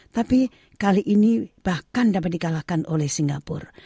tapi kali ini bahkan dapat dikalahkan oleh singapura